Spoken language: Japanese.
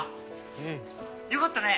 うんよかったね